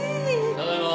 ただいま。